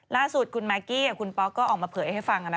ล่าสุดคุณมากกี้กับคุณป๊อกก็ออกมาเผยให้ฟังนะ